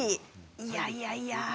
いやいやいや。